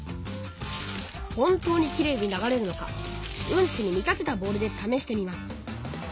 本当にきれいに流れるのかうんちに見立てたボールでためしてみます